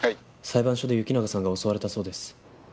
裁判所で行永さんが襲われたそうです。